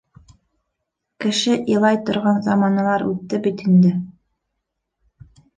Кеше илай торған заманалар үтте бит инде.